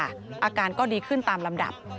อาการก็ดีขึ้นตามลำดับ